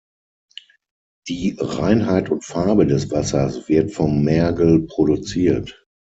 Die Reinheit und Farbe des Wassers wird vom Mergel produziert.